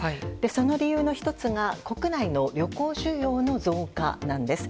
その理由の１つが国内の旅行需要の増加なんです。